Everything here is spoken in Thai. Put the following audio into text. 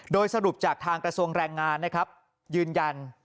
โดยสรุปจากทางกระทรวงแรงงานนะครับยืนยัน